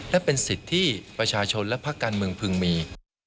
และเป็นสิทธิ์ที่ประชาชนและภาคการเมืองพึงมี